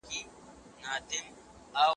ناسم مدیریت ستړیا زیاتوي.